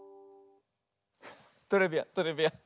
トレビアントレビアン。